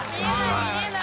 見えない！